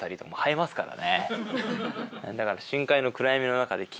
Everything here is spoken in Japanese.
だから。